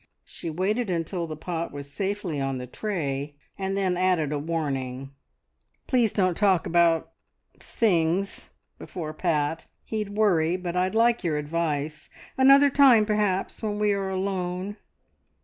She waited until the pot was safely on the tray, and then added a warning: "Please don't talk about things before Pat. He'd worry, but I'd like your advice. Another time, perhaps, when we are alone."